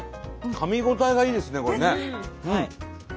かみ応えがいいですねこれね。